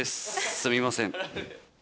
すみません。